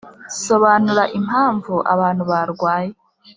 sobanura impamvu abantu barwaye